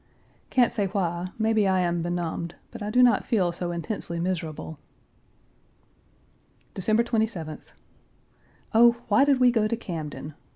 Can't say why, maybe I am benumbed, but I do not feel so intensely miserable. December 27th. Oh, why did we go to Camden?